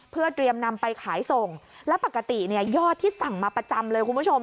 เพื่อเตรียมนำไปขายส่งและปกติเนี่ยยอดที่สั่งมาประจำเลยคุณผู้ชม